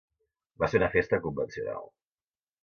Va ser una festa convencional.